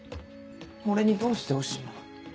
俺にどうしてほしいの？